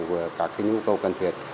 với các cái nhu cầu cần thiết